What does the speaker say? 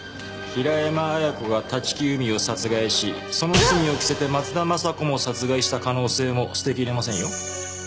平山亜矢子が立木由美を殺害しその罪を着せて松田雅子も殺害した可能性も捨てきれませんよ。